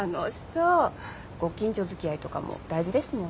ご近所付き合いとかも大事ですもんね。